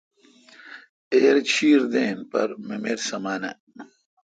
ایر چھیر دین پر ممیر سمانہ